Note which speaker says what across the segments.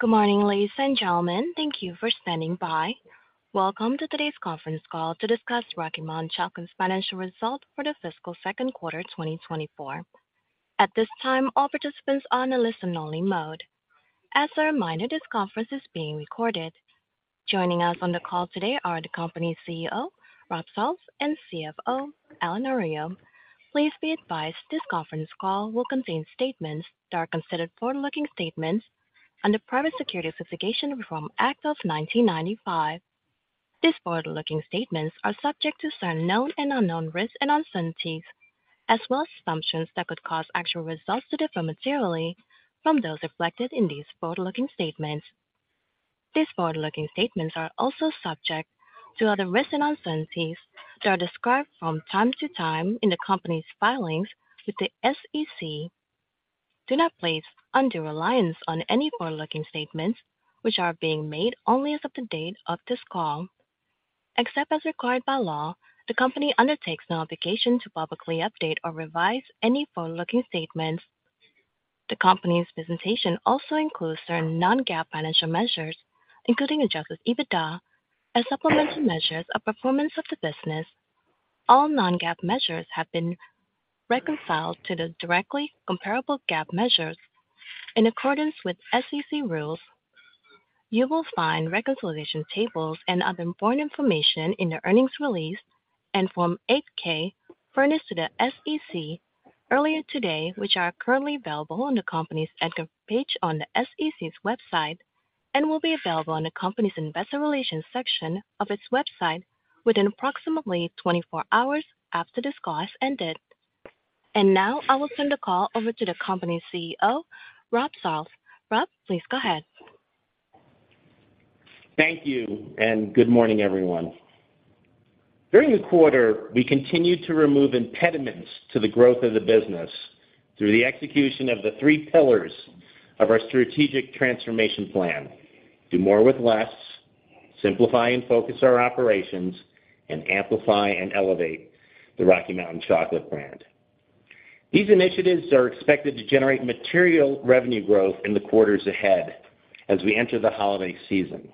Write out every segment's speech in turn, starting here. Speaker 1: Good morning, ladies and gentlemen. Thank you for standing by. Welcome to today's conference call to discuss Rocky Mountain Chocolate's financial results for the fiscal second quarter, 2024. At this time, all participants are on a listen-only mode. As a reminder, this conference is being recorded. Joining us on the call today are the company's CEO, Rob Sarlls, and CFO, Allen Arroyo. Please be advised, this conference call will contain statements that are considered forward-looking statements under the Private Securities Litigation Reform Act of 1995. These forward-looking statements are subject to certain known and unknown risks and uncertainties, as well as assumptions that could cause actual results to differ materially from those reflected in these forward-looking statements. These forward-looking statements are also subject to other risks and uncertainties that are described from time to time in the company's filings with the SEC. Do not place undue reliance on any forward-looking statements, which are being made only as of the date of this call. Except as required by law, the company undertakes no obligation to publicly update or revise any forward-looking statements. The company's presentation also includes certain non-GAAP financial measures, including adjusted EBITDA, as supplemental measures of performance of the business. All non-GAAP measures have been reconciled to the directly comparable GAAP measures in accordance with SEC rules. You will find reconciliation tables and other important information in the earnings release and Form 8-K furnished to the SEC earlier today, which are currently available on the company's EDGAR page on the SEC's website, and will be available on the company's investor relations section of its website within approximately 24 hours after this call has ended. Now, I will turn the call over to the company's CEO, Rob Sarlls. Rob, please go ahead.
Speaker 2: Thank you, and good morning, everyone. During the quarter, we continued to remove impediments to the growth of the business through the execution of the three pillars of our strategic transformation plan: do more with less, simplify and focus our operations, and amplify and elevate the Rocky Mountain Chocolate brand. These initiatives are expected to generate material revenue growth in the quarters ahead as we enter the holiday season.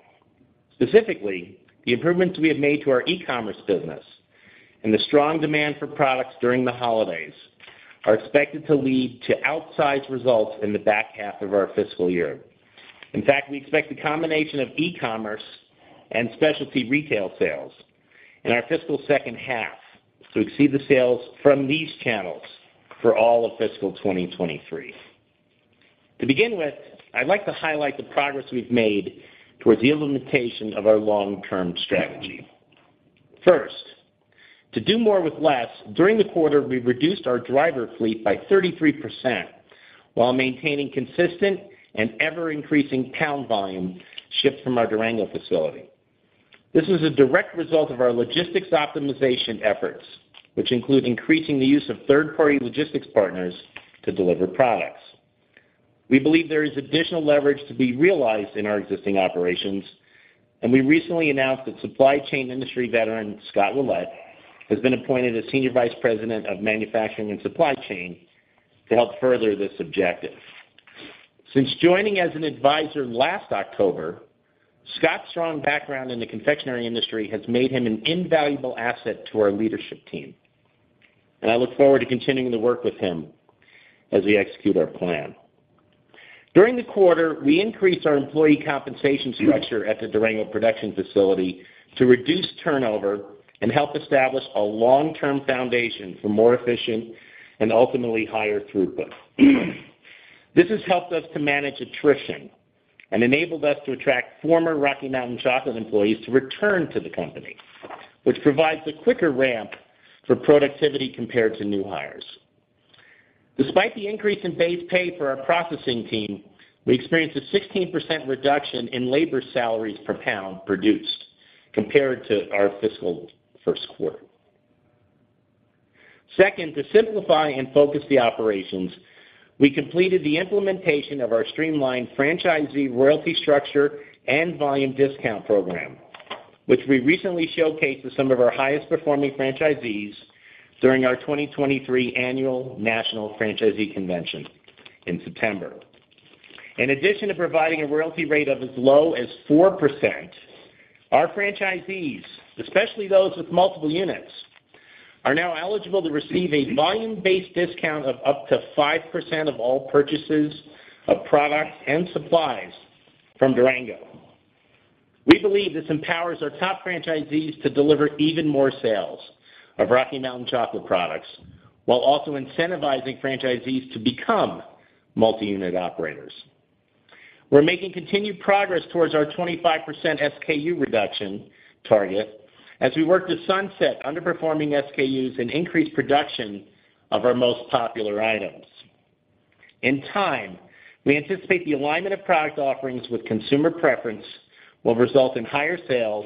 Speaker 2: Specifically, the improvements we have made to our e-commerce business and the strong demand for products during the holidays are expected to lead to outsized results in the back half of our fiscal year. In fact, we expect the combination of e-commerce and specialty retail sales in our fiscal second half to exceed the sales from these channels for all of fiscal 2023. To begin with, I'd like to highlight the progress we've made towards the implementation of our long-term strategy. First, to do more with less, during the quarter, we reduced our driver fleet by 33% while maintaining consistent and ever-increasing pound volume shipped from our Durango facility. This is a direct result of our logistics optimization efforts, which include increasing the use of third-party logistics partners to deliver products. We believe there is additional leverage to be realized in our existing operations, and we recently announced that supply chain industry veteran, Scott Ouellet, has been appointed as Senior Vice President of Manufacturing and Supply Chain to help further this objective. Since joining as an advisor last October, Scott's strong background in the confectionery industry has made him an invaluable asset to our leadership team, and I look forward to continuing to work with him as we execute our plan. During the quarter, we increased our employee compensation structure at the Durango production facility to reduce turnover and help establish a long-term foundation for more efficient and ultimately higher throughput. This has helped us to manage attrition and enabled us to attract former Rocky Mountain Chocolate employees to return to the company, which provides a quicker ramp for productivity compared to new hires. Despite the increase in base pay for our processing team, we experienced a 16% reduction in labor salaries per pound produced compared to our fiscal first quarter. Second, to simplify and focus the operations, we completed the implementation of our streamlined franchisee royalty structure and volume discount program, which we recently showcased to some of our highest-performing franchisees during our 2023 annual National Franchisee Convention in September. In addition to providing a royalty rate of as low as 4%, our franchisees, especially those with multiple units, are now eligible to receive a volume-based discount of up to 5% of all purchases of products and supplies from Durango. We believe this empowers our top franchisees to deliver even more sales of Rocky Mountain Chocolate products, while also incentivizing franchisees to become multi-unit operators. We're making continued progress towards our 25% SKU reduction target as we work to sunset underperforming SKUs and increase production of our most popular items. In time, we anticipate the alignment of product offerings with consumer preference will result in higher sales,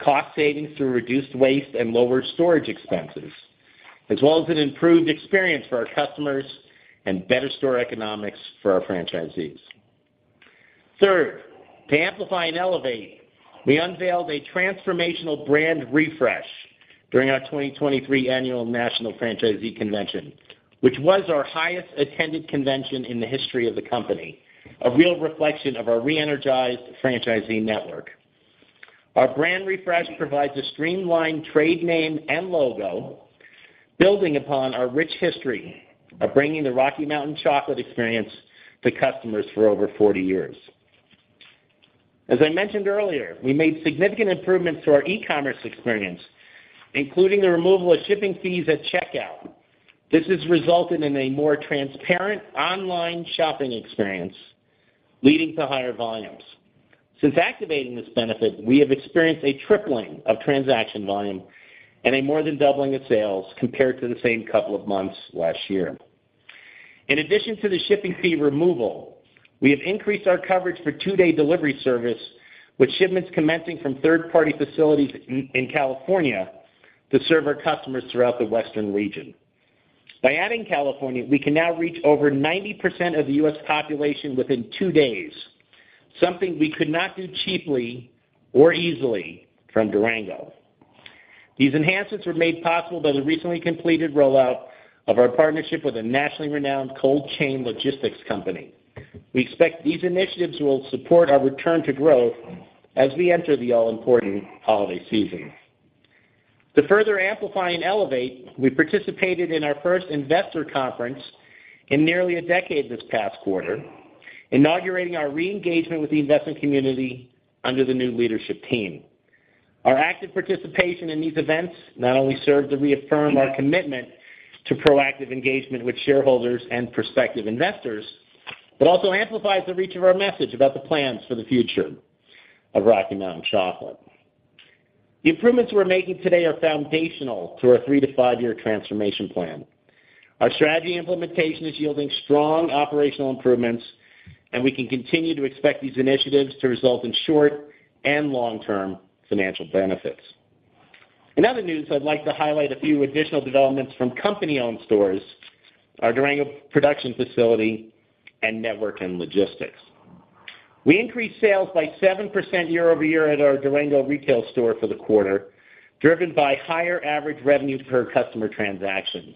Speaker 2: cost savings through reduced waste and lower storage expenses, as well as an improved experience for our customers and better store economics for our franchisees. Third, to amplify and elevate, we unveiled a transformational brand refresh.... During our 2023 Annual National Franchisee Convention, which was our highest attended convention in the history of the company, a real reflection of our re-energized franchisee network. Our brand refresh provides a streamlined trade name and logo, building upon our rich history of bringing the Rocky Mountain Chocolate experience to customers for over 40 years. As I mentioned earlier, we made significant improvements to our e-commerce experience, including the removal of shipping fees at checkout. This has resulted in a more transparent online shopping experience, leading to higher volumes. Since activating this benefit, we have experienced a tripling of transaction volume and a more than doubling of sales compared to the same couple of months last year. In addition to the shipping fee removal, we have increased our coverage for two-day delivery service, with shipments commencing from third-party facilities in California to serve our customers throughout the Western region. By adding California, we can now reach over 90% of the U.S. population within two days, something we could not do cheaply or easily from Durango. These enhancements were made possible by the recently completed rollout of our partnership with a nationally renowned cold chain logistics company. We expect these initiatives will support our return to growth as we enter the all-important holiday season. To further amplify and elevate, we participated in our first investor conference in nearly a decade this past quarter, inaugurating our re-engagement with the investment community under the new leadership team. Our active participation in these events not only served to reaffirm our commitment to proactive engagement with shareholders and prospective investors, but also amplifies the reach of our message about the plans for the future of Rocky Mountain Chocolate. The improvements we're making today are foundational to our 3-5-year transformation plan. Our strategy implementation is yielding strong operational improvements, and we can continue to expect these initiatives to result in short- and long-term financial benefits. In other news, I'd like to highlight a few additional developments from company-owned stores, our Durango production facility, and network and logistics. We increased sales by 7% year-over-year at our Durango retail store for the quarter, driven by higher average revenue per customer transaction.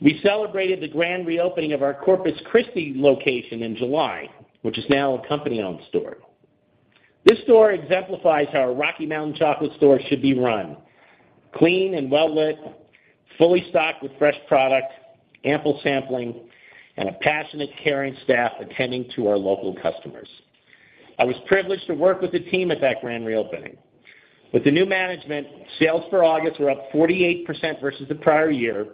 Speaker 2: We celebrated the grand reopening of our Corpus Christi location in July, which is now a company-owned store. This store exemplifies how a Rocky Mountain Chocolate store should be run: clean and well-lit, fully stocked with fresh product, ample sampling, and a passionate, caring staff attending to our local customers. I was privileged to work with the team at that grand reopening. With the new management, sales for August were up 48% versus the prior year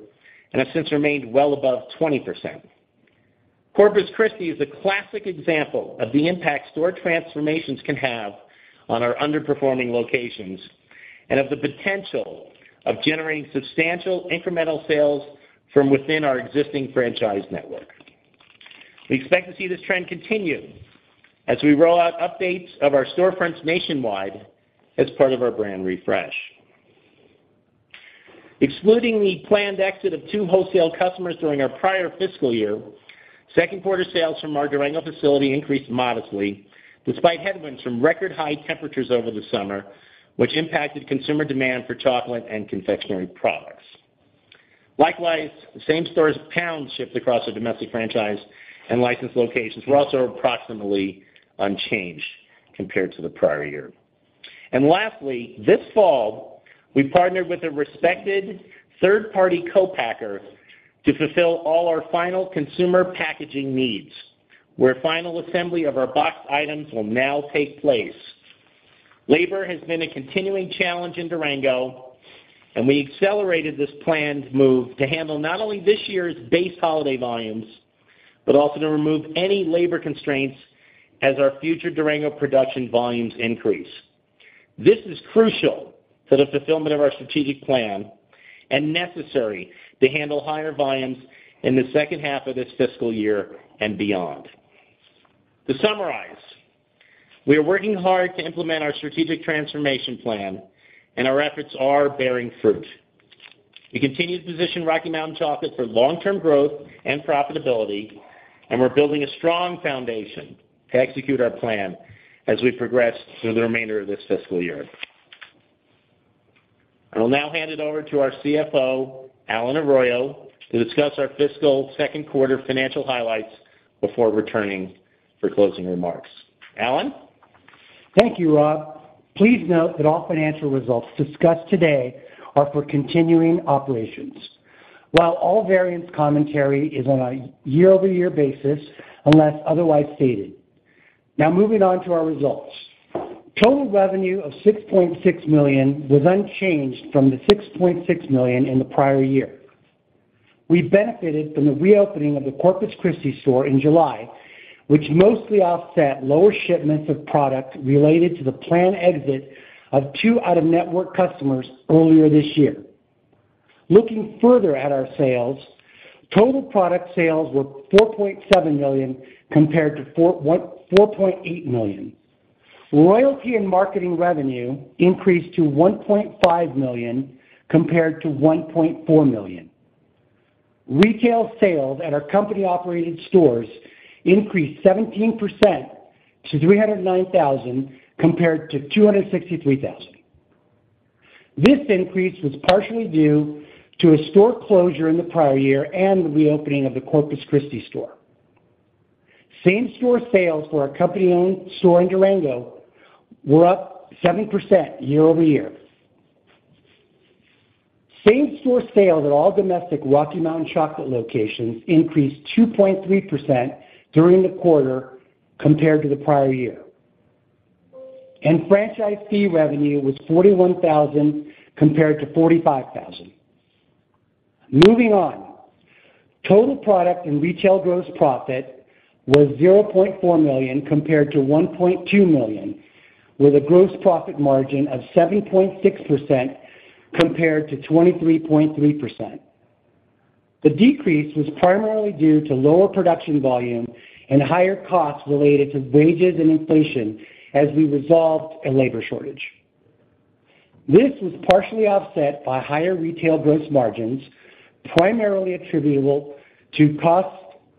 Speaker 2: and have since remained well above 20%. Corpus Christi is a classic example of the impact store transformations can have on our underperforming locations and of the potential of generating substantial incremental sales from within our existing franchise network. We expect to see this trend continue as we roll out updates of our storefronts nationwide as part of our brand refresh. Excluding the planned exit of two wholesale customers during our prior fiscal year, second quarter sales from our Durango facility increased modestly, despite headwinds from record high temperatures over the summer, which impacted consumer demand for chocolate and confectionery products. Likewise, the same store's pounds shipped across the domestic franchise and licensed locations were also approximately unchanged compared to the prior year. And lastly, this fall, we partnered with a respected third-party co-packer to fulfill all our final consumer packaging needs, where final assembly of our boxed items will now take place. Labor has been a continuing challenge in Durango, and we accelerated this planned move to handle not only this year's base holiday volumes, but also to remove any labor constraints as our future Durango production volumes increase. This is crucial for the fulfillment of our strategic plan and necessary to handle higher volumes in the second half of this fiscal year and beyond. To summarize, we are working hard to implement our strategic transformation plan, and our efforts are bearing fruit. We continue to position Rocky Mountain Chocolate for long-term growth and profitability, and we're building a strong foundation to execute our plan as we progress through the remainder of this fiscal year. I will now hand it over to our CFO, Allen Arroyo, to discuss our fiscal second quarter financial highlights before returning for closing remarks. Allen?
Speaker 3: Thank you, Rob. Please note that all financial results discussed today are for continuing operations, while all variance commentary is on a year-over-year basis, unless otherwise stated. Now, moving on to our results. Total revenue of $6.6 million was unchanged from the $6.6 million in the prior year. We benefited from the reopening of the Corpus Christi store in July, which mostly offset lower shipments of product related to the planned exit of two out-of-network customers earlier this year. Looking further at our sales, total product sales were $4.7 million, compared to $4.8 million. Royalty and marketing revenue increased to $1.5 million, compared to $1.4 million. Retail sales at our company-operated stores increased 17% to $309,000 compared to $263,000. This increase was partially due to a store closure in the prior year and the reopening of the Corpus Christi store. Same-store sales for our company-owned store in Durango were up 7% year-over-year. Same-store sales at all domestic Rocky Mountain Chocolate locations increased 2.3% during the quarter compared to the prior year. Franchise fee revenue was $41,000 compared to $45,000. Moving on. Total product and retail gross profit was $0.4 million compared to $1.2 million, with a gross profit margin of 7.6% compared to 23.3%. The decrease was primarily due to lower production volume and higher costs related to wages and inflation as we resolved a labor shortage. This was partially offset by higher retail gross margins, primarily attributable to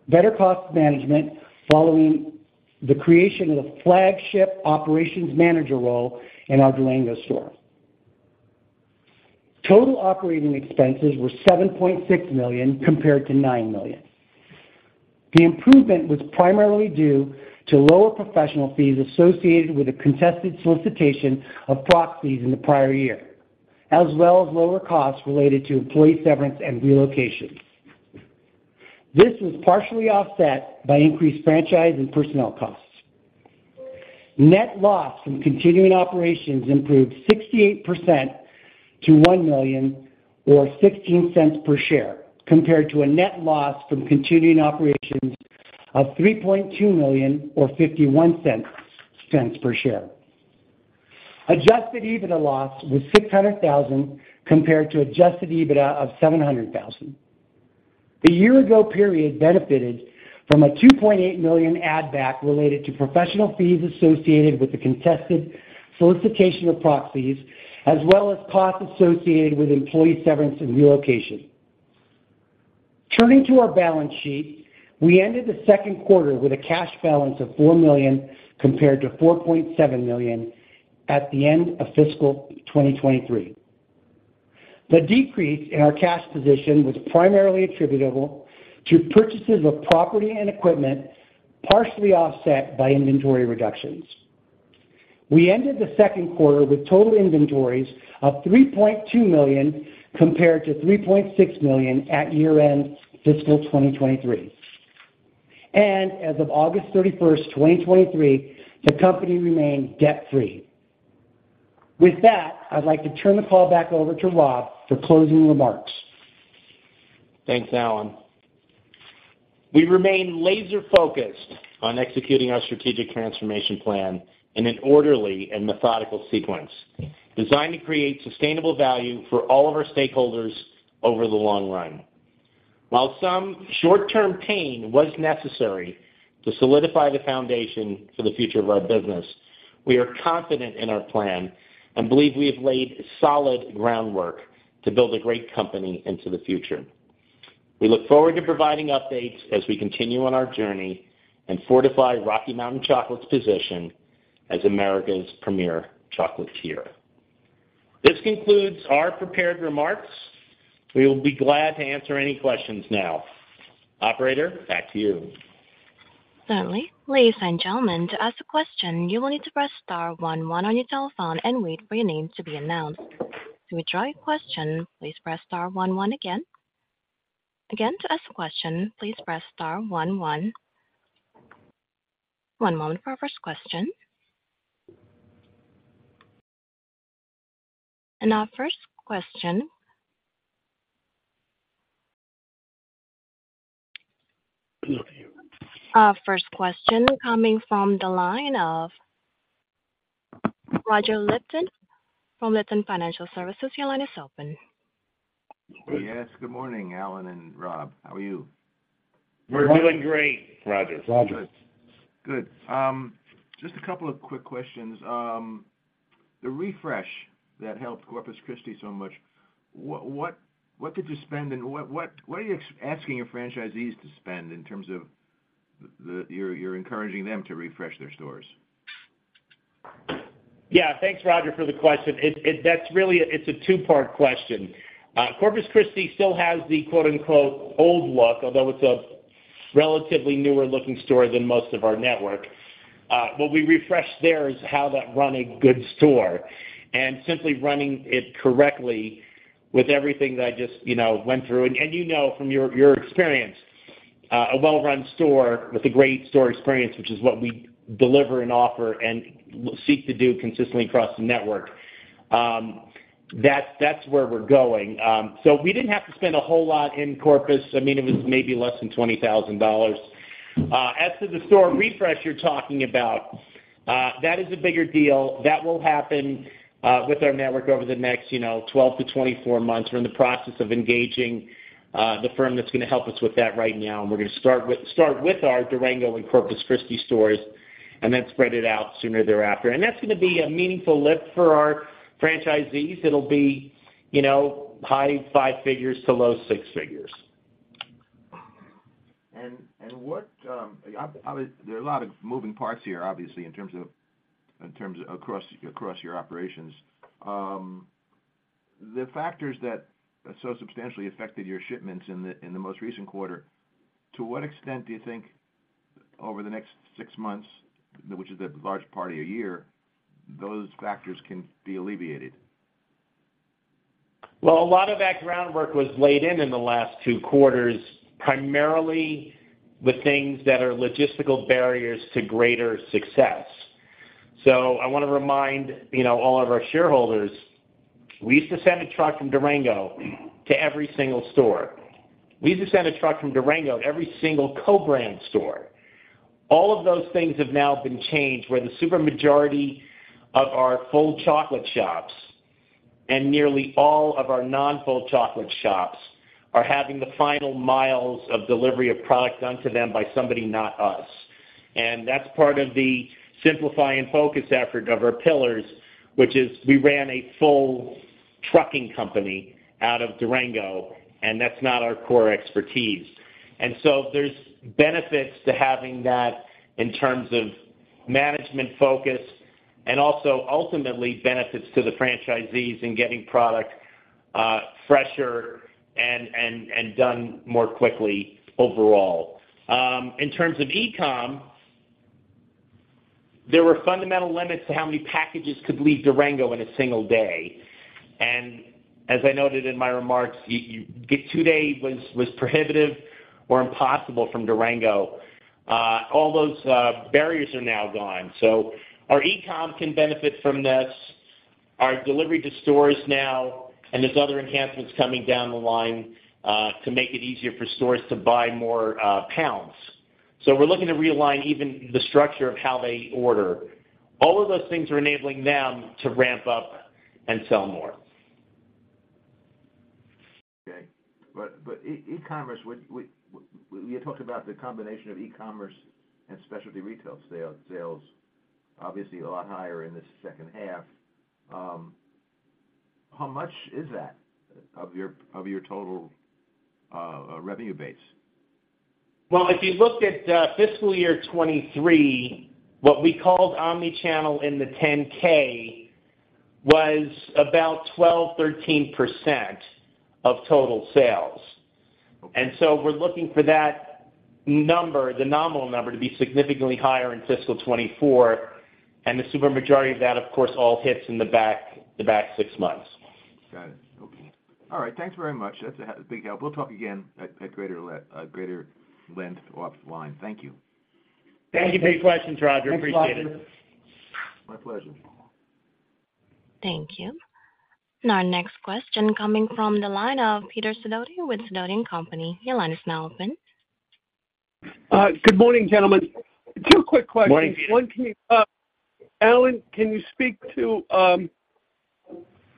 Speaker 3: better cost management following the creation of the flagship operations manager role in our Durango store. Total operating expenses were $7.6 million compared to $9 million. The improvement was primarily due to lower professional fees associated with a contested solicitation of proxies in the prior year, as well as lower costs related to employee severance and relocation. This was partially offset by increased franchise and personnel costs. Net loss from continuing operations improved 68% to $1 million, or $0.16 per share, compared to a net loss from continuing operations of $3.2 million, or $0.51 per share. Adjusted EBITDA loss was $600,000 compared to adjusted EBITDA of $700,000. The year ago period benefited from a $2.8 million add-back related to professional fees associated with the contested solicitation of proxies, as well as costs associated with employee severance and relocation. Turning to our balance sheet, we ended the second quarter with a cash balance of $4 million compared to $4.7 million at the end of fiscal 2023. The decrease in our cash position was primarily attributable to purchases of property and equipment, partially offset by inventory reductions. We ended the second quarter with total inventories of $3.2 million compared to $3.6 million at year-end fiscal 2023. As of August 31st, 2023, the company remained debt-free. With that, I'd like to turn the call back over to Rob for closing remarks.
Speaker 2: Thanks, Allen. We remain laser focused on executing our strategic transformation plan in an orderly and methodical sequence, designed to create sustainable value for all of our stakeholders over the long run. While some short-term pain was necessary to solidify the foundation for the future of our business, we are confident in our plan and believe we have laid solid groundwork to build a great company into the future. We look forward to providing updates as we continue on our journey and fortify Rocky Mountain Chocolate's position as America's premier chocolatier. This concludes our prepared remarks. We will be glad to answer any questions now. Operator, back to you.
Speaker 1: Certainly. Ladies and gentlemen, to ask a question, you will need to press star one one on your telephone and wait for your name to be announced. To withdraw your question, please press star one one again. Again, to ask a question, please press star one one. One moment for our first question. Our first question... Our first question coming from the line of Roger Lipton from Lipton Financial Services. Your line is open.
Speaker 4: Yes, good morning, Allen and Rob. How are you?
Speaker 2: We're doing great, Roger.
Speaker 3: Roger.
Speaker 4: Good. Just a couple of quick questions. The refresh that helped Corpus Christi so much, what did you spend and what are you asking your franchisees to spend in terms of the... You're encouraging them to refresh their stores?
Speaker 2: Yeah. Thanks, Roger, for the question. That's really a two-part question. Corpus Christi still has the quote-unquote "old look," although it's a relatively newer looking store than most of our network. What we refreshed there is how that run a good store, and simply running it correctly with everything that I just, you know, went through. And you know from your experience, a well-run store with a great store experience, which is what we deliver and offer and seek to do consistently across the network, that's where we're going. So we didn't have to spend a whole lot in Corpus. I mean, it was maybe less than $20,000. As to the store refresh you're talking about, that is a bigger deal. That will happen with our network over the next, you know, 12 to 24 months. We're in the process of engaging the firm that's going to help us with that right now. We're gonna start with our Durango and Corpus Christi stores... and then spread it out sooner thereafter. That's gonna be a meaningful lift for our franchisees. It'll be, you know, high five figures to low six figures.
Speaker 4: I, I-- there are a lot of moving parts here, obviously, in terms of, in terms of across, across your operations. The factors that so substantially affected your shipments in the, in the most recent quarter, to what extent do you think over the next six months, which is a large part of your year, those factors can be alleviated?
Speaker 2: Well, a lot of that groundwork was laid in the last two quarters, primarily with things that are logistical barriers to greater success. I wanna remind, you know, all of our shareholders, we used to send a truck from Durango to every single store. We used to send a truck from Durango to every single co-brand store. All of those things have now been changed, where the super majority of our full chocolate shops and nearly all of our non-full chocolate shops are having the final miles of delivery of product done to them by somebody, not us. That's part of the simplify and focus effort of our pillars, which is we ran a full trucking company out of Durango, and that's not our core expertise. And so there's benefits to having that in terms of management focus and also ultimately benefits to the franchisees in getting product fresher and done more quickly overall. In terms of e-com, there were fundamental limits to how many packages could leave Durango in a single day. And as I noted in my remarks, two-day was prohibitive or impossible from Durango. All those barriers are now gone. So our e-com can benefit from this, our delivery to stores now, and there's other enhancements coming down the line to make it easier for stores to buy more pounds. So we're looking to realign even the structure of how they order. All of those things are enabling them to ramp up and sell more.
Speaker 4: Okay. But e-commerce... You talked about the combination of e-commerce and specialty retail sales, obviously a lot higher in this second half. How much is that of your total revenue base?
Speaker 2: Well, if you looked at fiscal year 2023, what we called omni-channel in the 10-K was about 12%-13% of total sales. And so we're looking for that number, the nominal number, to be significantly higher in fiscal 2024. And the super majority of that, of course, all hits in the back, the back six months.
Speaker 4: Got it. Okay. All right. Thanks very much. That's a big help. We'll talk again at greater length offline. Thank you.
Speaker 2: Thank you for your questions, Roger. Appreciate it.
Speaker 4: My pleasure.
Speaker 1: Thank you. Our next question coming from the line of Peter Sidoti with Sidoti & Company. Your line is now open.
Speaker 5: Good morning, gentlemen. Two quick questions.
Speaker 2: Morning.
Speaker 5: One, can you, Allen, can you speak to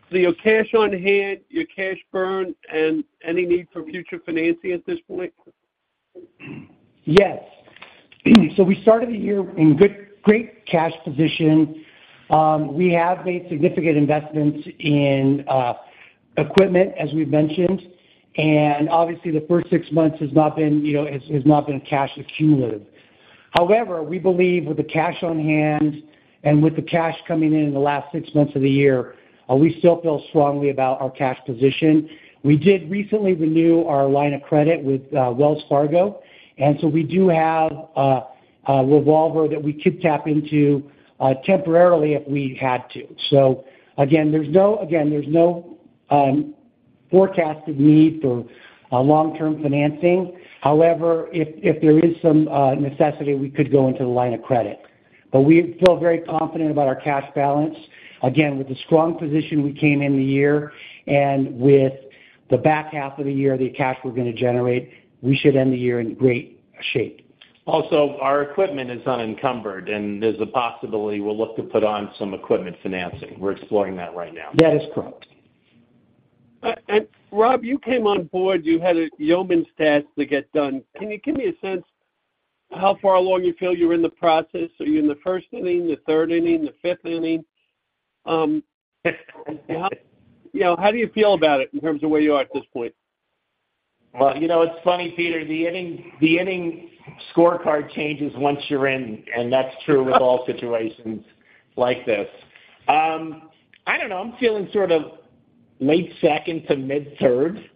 Speaker 5: your cash on hand, your cash burn, and any need for future financing at this point?
Speaker 3: Yes. So we started the year in good, great cash position. We have made significant investments in equipment, as we've mentioned, and obviously, the first six months has not been, you know, has not been cash accumulative. However, we believe with the cash on hand and with the cash coming in in the last six months of the year, we still feel strongly about our cash position. We did recently renew our line of credit with Wells Fargo, and so we do have a revolver that we could tap into temporarily if we had to. So again, there's no forecasted need for long-term financing. However, if there is some necessity, we could go into the line of credit. But we feel very confident about our cash balance. Again, with the strong position we came in the year, and with the back half of the year, the cash we're gonna generate, we should end the year in great shape.
Speaker 2: Also, our equipment is unencumbered, and there's a possibility we'll look to put on some equipment financing. We're exploring that right now.
Speaker 3: That is correct.
Speaker 5: Rob, you came on board, you had a yeoman's task to get done. Can you give me a sense how far along you feel you're in the process? Are you in the first inning, the third inning, the fifth inning? You know, how do you feel about it in terms of where you are at this point?
Speaker 2: Well, you know, it's funny, Peter, the inning, the inning scorecard changes once you're in, and that's true with all situations like this. I don't know. I'm feeling sort of late second to mid-third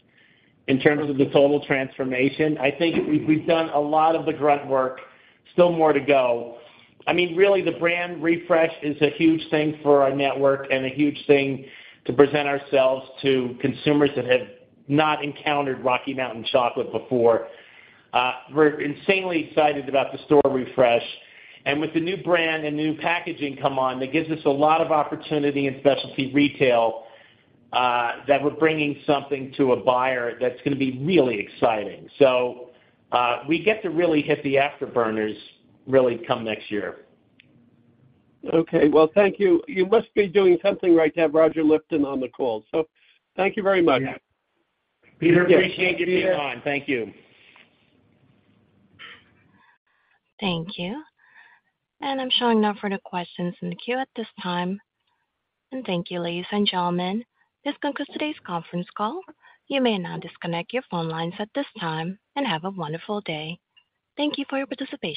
Speaker 2: in terms of the total transformation. I think we've, we've done a lot of the grunt work. Still more to go. I mean, really, the brand refresh is a huge thing for our network and a huge thing to present ourselves to consumers that have not encountered Rocky Mountain Chocolate before. We're insanely excited about the store refresh, and with the new brand and new packaging come on, that gives us a lot of opportunity in specialty retail, that we're bringing something to a buyer that's gonna be really exciting. We get to really hit the afterburners really come next year.
Speaker 5: Okay, well, thank you. You must be doing something right to have Roger Lipton on the call, so thank you very much.
Speaker 2: Peter, appreciate you, your time. Thank you.
Speaker 1: Thank you. I'm showing no further questions in the queue at this time. Thank you, ladies and gentlemen. This concludes today's conference call. You may now disconnect your phone lines at this time, and have a wonderful day. Thank you for your participation.